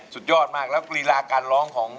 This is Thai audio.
สุดยอดมากแล้วรีลาการร้องของ